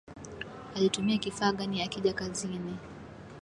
Alitumia kifaa gani akija kazini?